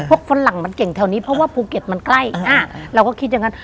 พวกฝนหลังมันเก่งที่ไหน